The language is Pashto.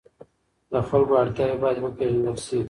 د خلکو اړتیاوې باید وپېژندل سي.